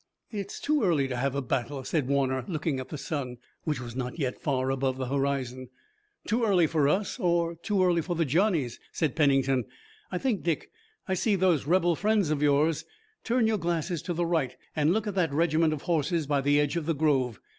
"It's too early to have a battle," said Warner, looking at the sun, which was not yet far above the horizon. "Too early for us or too early for the Johnnies?" said Pennington. "I think, Dick, I see those rebel friends of yours. Turn your glasses to the right, and look at that regiment of horses by the edge of the grove.